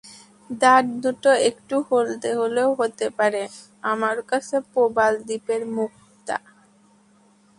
দাঁত দুটো একটু হলদে হলেও হতে পারে, আমার কাছে প্রবাল দ্বীপের মুক্তা।